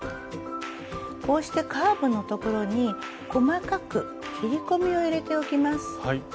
こうしてカーブの所に細かく切り込みを入れておきます。